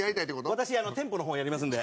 私、店舗の方やりますので。